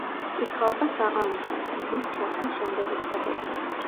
მკითხაობა საღამო ჟამს, მზის ჩასვლის შემდეგ იწყებოდა.